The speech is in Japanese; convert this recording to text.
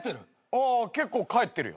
ああ結構帰ってるよ。